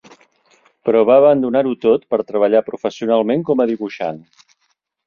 Però va abandonar-ho tot per treballar professionalment com a dibuixant.